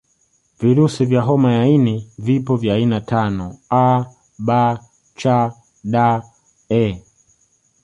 Virusi vya homa ya ini vipo vya aina tano A B C D E